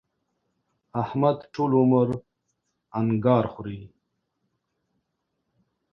احمد ټول عمر انګار خوري.